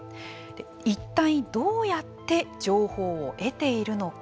一体どうやって情報を得ているのか。